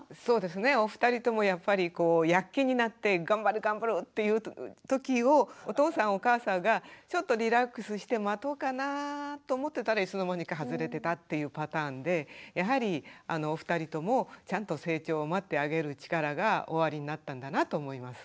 お二人ともやっぱり躍起になって頑張る頑張るというときをお父さんお母さんがちょっとリラックスして待とうかなと思ってたらいつの間にか外れてたっていうパターンでやはりお二人ともちゃんと成長を待ってあげる力がおありになったんだなと思います。